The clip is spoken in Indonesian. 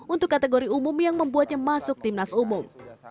untuk kategori umum yang membuatnya masuk timnas umum